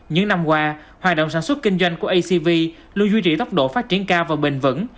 những năm qua hoạt động sản xuất kinh doanh của acv luôn duy trì tốc độ phát triển cao và bền vững